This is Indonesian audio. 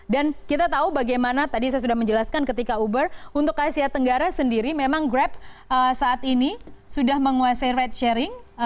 kita tahu bagaimana tadi saya sudah menjelaskan ketika uber untuk asia tenggara sendiri memang grab saat ini sudah menguasai ride sharing